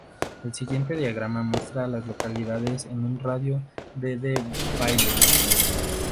El siguiente diagrama muestra a las localidades en un radio de de Bailey.